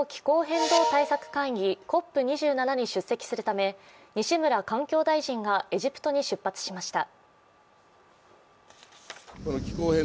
国連の気候変動対策会議、ＣＯＰ２７に出席するため西村環境大臣がエジプトに出発しました。